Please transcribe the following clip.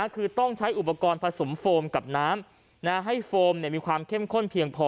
คือต้องใช้อุปกรณ์ผสมโฟมกับน้ำให้โฟมมีความเข้มข้นเพียงพอ